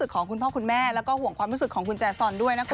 ของคุณพ่อคุณแม่แล้วก็ห่วงความรู้สึกของคุณแจซอนด้วยนะคะ